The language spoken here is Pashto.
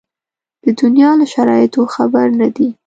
د دنیا له شرایطو خبر نه دي.